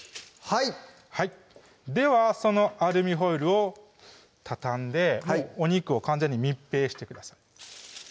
はいではそのアルミホイルを畳んでお肉を完全に密閉してください